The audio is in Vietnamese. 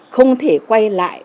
không thể quay lại